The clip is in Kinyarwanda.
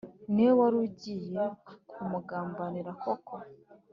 niwe wari ugiye kumugambanira koko